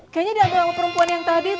kayaknya diambil oleh perempuan yang tadi tuh